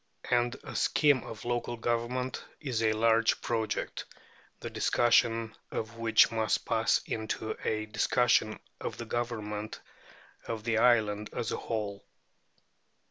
And a scheme of local government is a large project, the discussion of which must pass into a discussion of the government of the island as a whole.